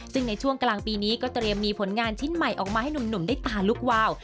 ซึ่งในช่วงกลางปีนี้ก็เตรียมมีผลงานชิ้นใหม่ออกมาให้หนุ่มได้ตาลุกวาว